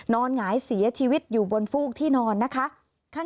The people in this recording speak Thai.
หงายเสียชีวิตอยู่บนฟูกที่นอนนะคะ